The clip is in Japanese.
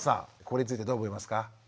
これについてどう思いますか？